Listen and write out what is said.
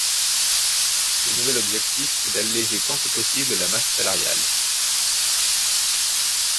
Le nouvel objectif est d’alléger tant que possible la masse salariale.